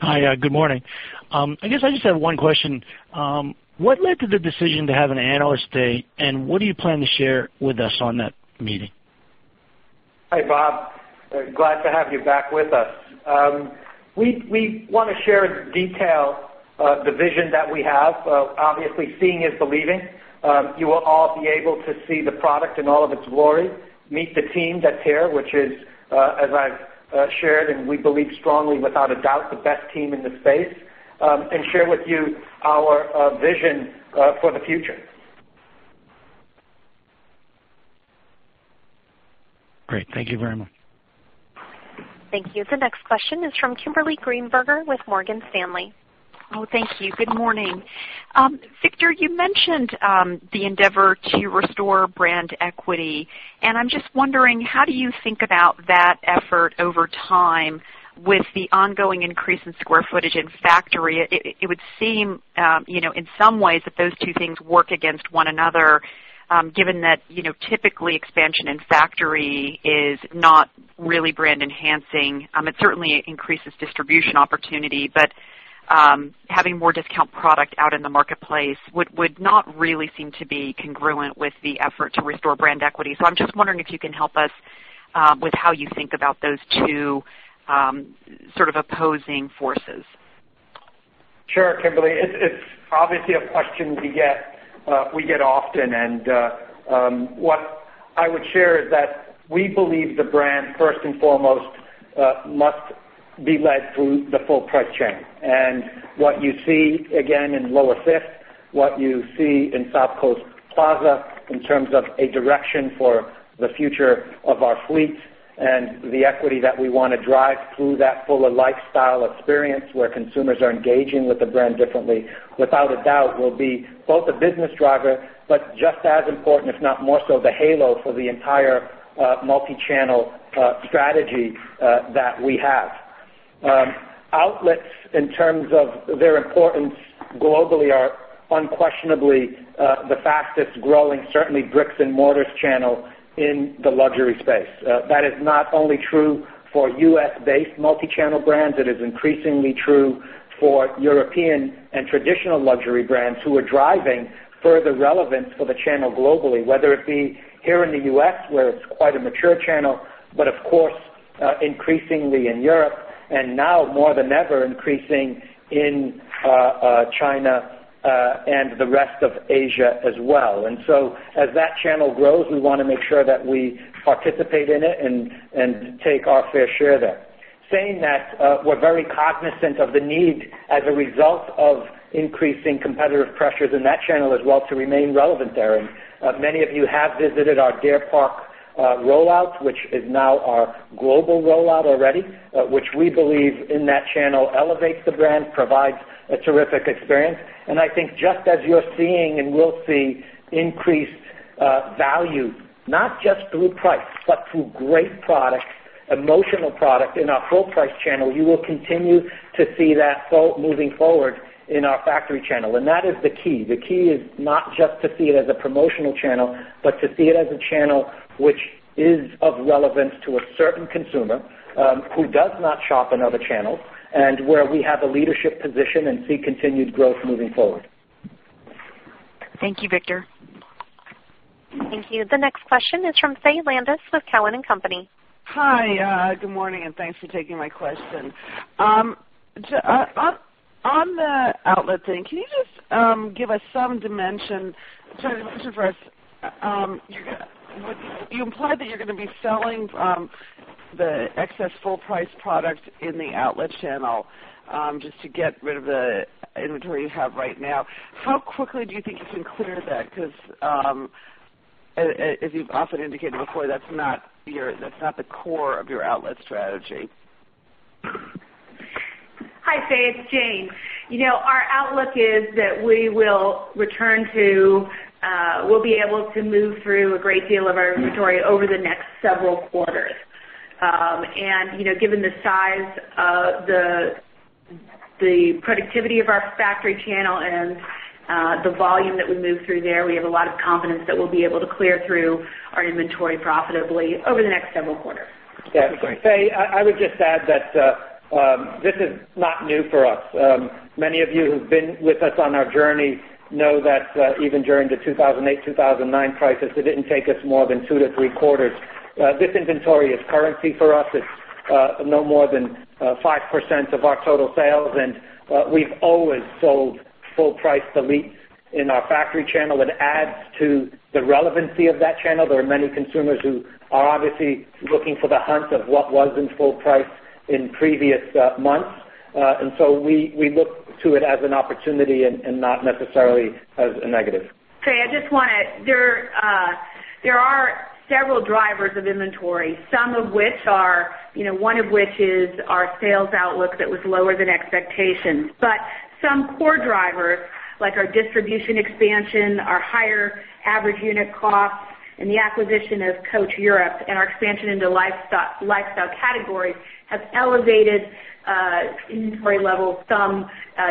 Hi, good morning. I guess I just have one question. What led to the decision to have an Analyst Day, what do you plan to share with us on that meeting? Hi, Bob. Glad to have you back with us. We want to share in detail the vision that we have. Obviously, seeing is believing. You will all be able to see the product in all of its glory, meet the team that's here, which is, as I've shared, and we believe strongly, without a doubt, the best team in the space, and share with you our vision for the future. Great. Thank you very much. Thank you. The next question is from Kimberly Greenberger with Morgan Stanley. Oh, thank you. Good morning. Victor, you mentioned the endeavor to restore brand equity, I'm just wondering, how do you think about that effort over time with the ongoing increase in square footage in factory? It would seem, in some ways, that those two things work against one another, given that typically expansion in factory is not really brand enhancing. It certainly increases distribution opportunity, but having more discount product out in the marketplace would not really seem to be congruent with the effort to restore brand equity. I'm just wondering if you can help us with how you think about those two sort of opposing forces. Sure, Kimberly. It's obviously a question we get often. What I would share is that we believe the brand, first and foremost, must be led through the full price chain. What you see, again, in Lower Fifth, what you see in South Coast Plaza in terms of a direction for the future of our fleet and the equity that we want to drive through that fuller lifestyle experience where consumers are engaging with the brand differently, without a doubt will be both a business driver, but just as important, if not more so, the halo for the entire multi-channel strategy that we have. Outlets, in terms of their importance globally, are unquestionably the fastest-growing, certainly bricks and mortars channel in the luxury space. That is not only true for U.S.-based multi-channel brands. It is increasingly true for European and traditional luxury brands who are driving further relevance for the channel globally, whether it be here in the U.S. where it's quite a mature channel, but of course, increasingly in Europe and now more than ever, increasing in China and the rest of Asia as well. As that channel grows, we want to make sure that we participate in it and take our fair share there. Saying that, we're very cognizant of the need as a result of increasing competitive pressures in that channel as well to remain relevant there. Many of you have visited our Deer Park rollout, which is now our global rollout already, which we believe in that channel elevates the brand, provides a terrific experience. I think just as you're seeing and will see increased value, not just through price, but through great products, emotional product in our full price channel, you will continue to see that moving forward in our factory channel. That is the key. The key is not just to see it as a promotional channel, but to see it as a channel which is of relevance to a certain consumer who does not shop in other channels, and where we have a leadership position and see continued growth moving forward. Thank you, Victor. Thank you. The next question is from Faye Landes with Cowen and Company. Hi. Good morning, thanks for taking my question. On the outlet thing, can you just give us some dimension? I have a question first. You implied that you're going to be selling the excess full price products in the outlet channel just to get rid of the inventory you have right now. How quickly do you think you can clear that? Because, as you've often indicated before, that's not the core of your outlet strategy. Hi, Faye. It's Jane. Our outlook is that we'll be able to move through a great deal of our inventory over the next several quarters. Given the size of the productivity of our factory channel and the volume that we move through there, we have a lot of confidence that we'll be able to clear through our inventory profitably over the next several quarters. Yeah. Faye, I would just add that this is not new for us. Many of you who've been with us on our journey know that even during the 2008, 2009 crisis, it didn't take us more than two to three quarters. This inventory is currency for us. It's no more than 5% of our total sales, we've always sold full price delete in our factory channel. It adds to the relevancy of that channel. There are many consumers who are obviously looking for the hunt of what was in full price in previous months. We look to it as an opportunity and not necessarily as a negative. Faye, there are several drivers of inventory, one of which is our sales outlook that was lower than expectations. Some core drivers, like our distribution expansion, our higher average unit cost, and the acquisition of Coach Europe and our expansion into lifestyle categories have elevated inventory levels some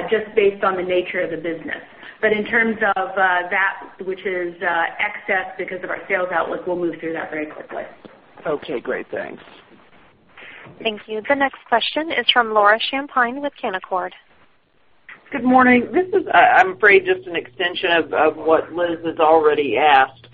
just based on the nature of the business. In terms of that which is excess because of our sales outlook, we'll move through that very quickly. Okay, great. Thanks. Thank you. The next question is from Laura Champine with Canaccord. Good morning. This is, I'm afraid, just an extension of what Liz has already asked,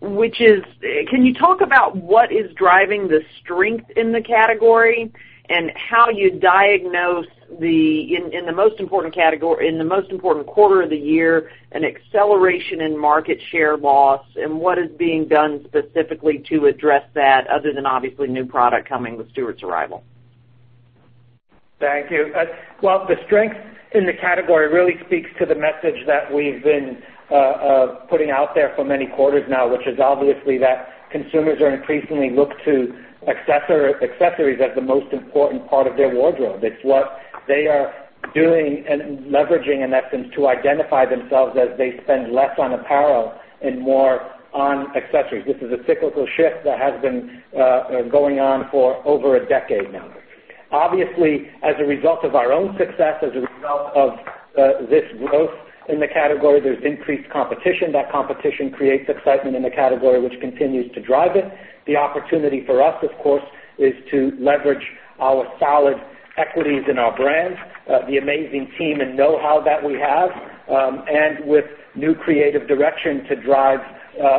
which is, can you talk about what is driving the strength in the category and how you diagnose, in the most important quarter of the year, an acceleration in market share loss, and what is being done specifically to address that other than obviously new product coming with Stuart's arrival? Thank you. Well, the strength in the category really speaks to the message that we've been putting out there for many quarters now, which is obviously that consumers are increasingly look to accessories as the most important part of their wardrobe. It's what they are doing and leveraging, in essence, to identify themselves as they spend less on apparel and more on accessories. This is a cyclical shift that has been going on for over a decade now. Obviously, as a result of our own success, as a result of this growth in the category, there's increased competition. That competition creates excitement in the category, which continues to drive it. The opportunity for us, of course, is to leverage our solid equities in our brands, the amazing team and know-how that we have, and with new creative direction to drive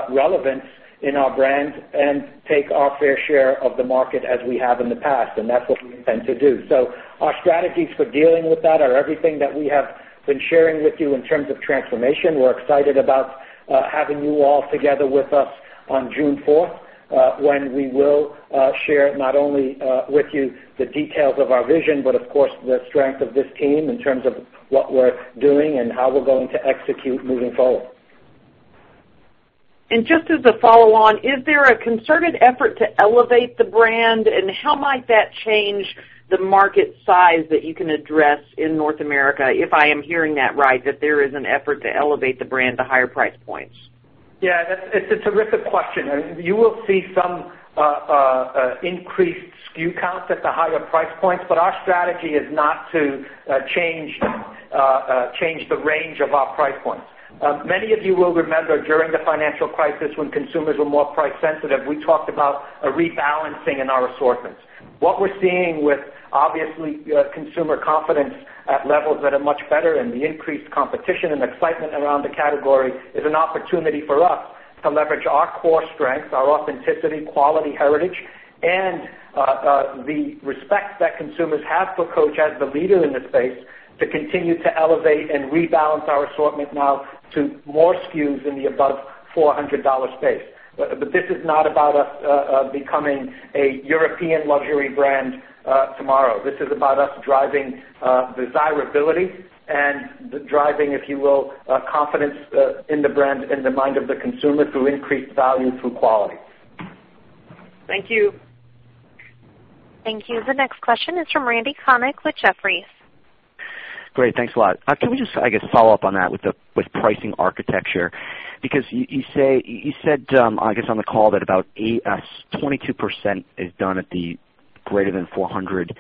relevance in our brands and take our fair share of the market as we have in the past, and that's what we intend to do. Our strategies for dealing with that are everything that we have been sharing with you in terms of transformation. We're excited about having you all together with us on June 4th, when we will share not only with you the details of our vision, but of course, the strength of this team in terms of what we're doing and how we're going to execute moving forward. Just as a follow-on, is there a concerted effort to elevate the brand? How might that change the market size that you can address in North America, if I am hearing that right, that there is an effort to elevate the brand to higher price points? Yeah, it's a terrific question. You will see some increased SKU count at the higher price points, but our strategy is not to change the range of our price points. Many of you will remember during the financial crisis, when consumers were more price sensitive, we talked about a rebalancing in our assortments. What we're seeing with obviously consumer confidence at levels that are much better and the increased competition and excitement around the category is an opportunity for us to leverage our core strengths, our authenticity, quality, heritage, and the respect that consumers have for Coach as the leader in this space to continue to elevate and rebalance our assortment now to more SKUs in the above $400 space. This is not about us becoming a European luxury brand tomorrow. This is about us driving desirability and driving, if you will, confidence in the brand in the mind of the consumer through increased value through quality. Thank you. Thank you. The next question is from Randal Konik with Jefferies. Great. Thanks a lot. Can we just, I guess, follow up on that with pricing architecture? You said, I guess, on the call that about 22% is done at the greater than $400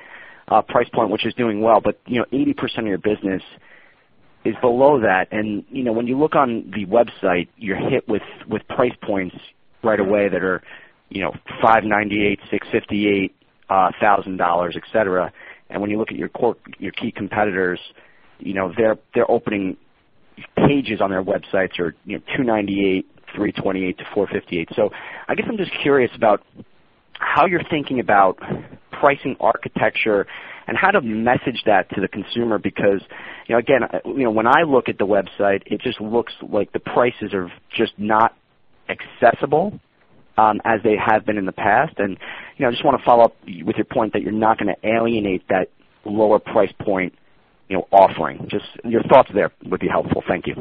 price point, which is doing well. 80% of your business is below that. When you look on the website, you're hit with price points right away that are $598, $658, $1,000, et cetera. When you look at your key competitors, their opening pages on their websites are $298, $328-$458. I guess I'm just curious about how you're thinking about pricing architecture and how to message that to the consumer, because, again, when I look at the website, it just looks like the prices are just not accessible as they have been in the past. I just want to follow up with your point that you're not going to alienate that lower price point offering. Just your thoughts there would be helpful. Thank you.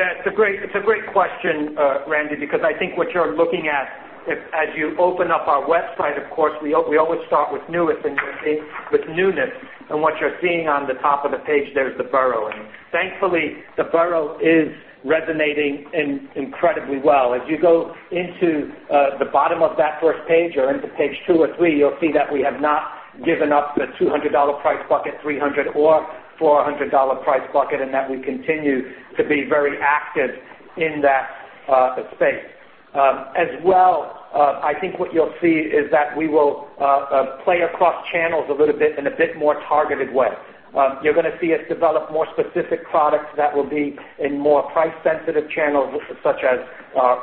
It's a great question, Randy, because I think what you're looking at as you open up our website, of course, we always start with newness, and what you're seeing on the top of the page there is the Borough. Thankfully, the Borough is resonating incredibly well. As you go into the bottom of that first page or into page two or three, you'll see that we have not given up the $200 price bucket, 300 or $400 price bucket, and that we continue to be very active in that space. As well, I think what you'll see is that we will play across channels a little bit in a bit more targeted way. You're going to see us develop more specific products that will be in more price-sensitive channels, such as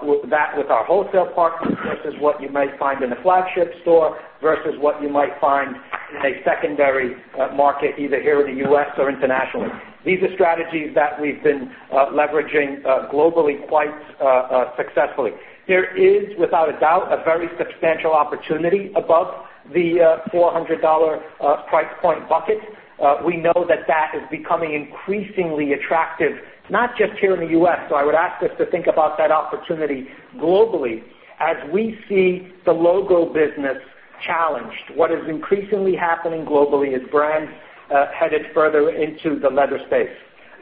with our wholesale partners versus what you might find in a flagship store versus what you might find in a secondary market, either here in the U.S. or internationally. These are strategies that we've been leveraging globally quite successfully. There is, without a doubt, a very substantial opportunity above the $400 price point bucket. We know that that is becoming increasingly attractive, not just here in the U.S. I would ask us to think about that opportunity globally. As we see the logo business challenged, what is increasingly happening globally is brands headed further into the leather space.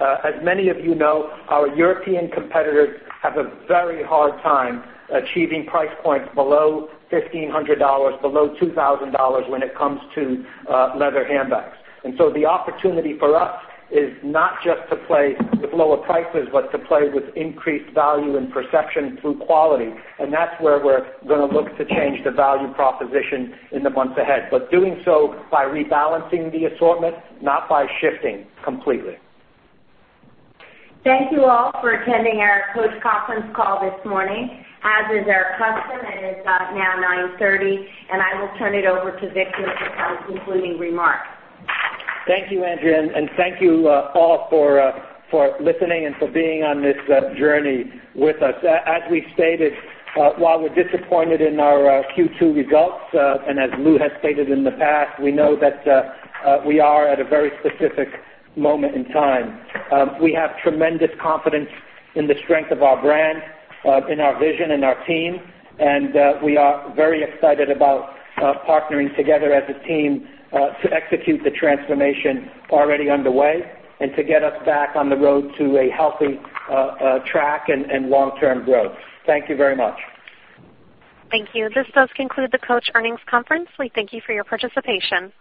As many of you know, our European competitors have a very hard time achieving price points below $1,500, below $2,000 when it comes to leather handbags. The opportunity for us is not just to play with lower prices, but to play with increased value and perception through quality. That's where we're going to look to change the value proposition in the months ahead, but doing so by rebalancing the assortment, not by shifting completely. Thank you all for attending our post-conference call this morning. As is our custom, it is now 9:30, and I will turn it over to Victor for closing remarks. Thank you, Andrea, and thank you all for listening and for being on this journey with us. As we stated, while we're disappointed in our Q2 results, and as Lew has stated in the past, we know that we are at a very specific moment in time. We have tremendous confidence in the strength of our brand, in our vision, and our team, and we are very excited about partnering together as a team to execute the transformation already underway and to get us back on the road to a healthy track and long-term growth. Thank you very much. Thank you. This does conclude the Coach Earnings Conference. We thank you for your participation.